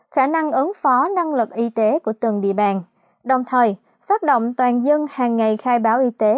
khả năng ứng phó năng lực y tế của từng địa bàn đồng thời phát động toàn dân hàng ngày khai báo y tế